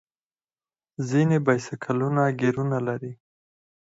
ځینې بایسکلونه ګیرونه لري.